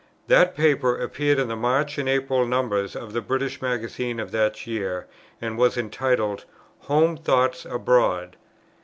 That paper appeared in the March and April numbers of the British Magazine of that year, and was entitled "Home Thoughts Abroad."